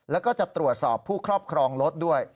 แล้วก็จะตรวจสอบผู้ครอบครองรถด้วย